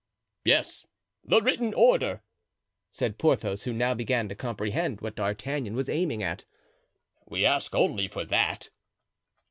"Yes, the written order," said Porthos, who now began to comprehend what D'Artagnan was aiming at, "we ask only for that."